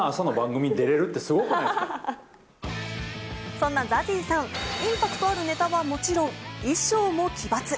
そんなＺＡＺＹさん、インパクトあるネタはもちろん、衣装も奇抜。